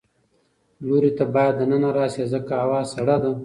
لورې ته باید د ننه راشې ځکه هوا سړه ده.